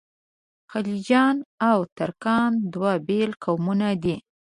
خلجیان او ترکان دوه بېل قومونه دي.